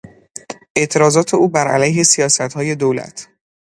اعتراضات او بر علیه سیاستهای دولت